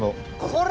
これ？